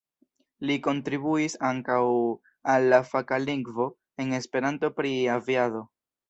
Li kontribuis ankaŭ al la faka lingvo en Esperanto pri aviado.